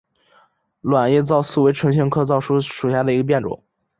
卵叶糙苏为唇形科糙苏属下的一个变种。